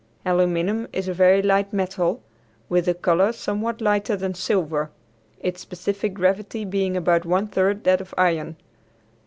Aluminum is a very light metal, with a color somewhat lighter than silver; its specific gravity being about one third that of iron.